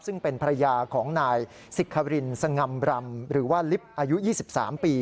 ซึ่งเป็นภรรยาของนายสิครินสง่ำรำหรือว่าลิฟต์อายุ๒๓ปี